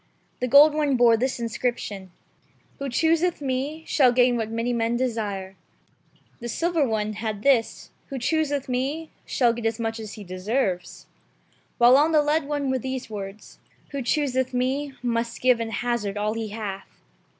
The gold one bore this Inscription :— "Who chooseth me shall gain what many men desire" ; the silver one had this :— "Who chooseth me shall get as much as he deserves" ; while on the lead one were these words :— "Who chooseth me must give and hazard all he hath."